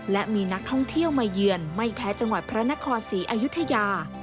และมีนักท่องเที่ยวมาเยือนไม่แพ้จังหวัดพระนครศรีอายุทยา